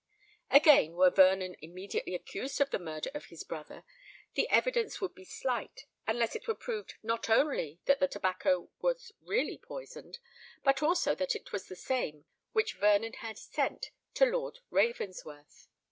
Again, were Vernon immediately accused of the murder of his brother, the evidence would be slight unless it were proved not only that the tobacco was really poisoned, but also that it was the same which Vernon had sent to Lord Ravensworth.